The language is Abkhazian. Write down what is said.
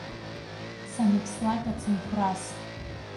Саныԥслак ацынхәрас.